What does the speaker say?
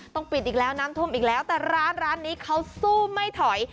ต้องปิดอีกแล้วน้ำท่วมอีกแล้วแต่ร้านร้านนี้เขาสู้ไม่ถอย